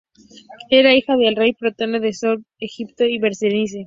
Era hija del rey Ptolomeo I Sóter de Egipto y de Berenice.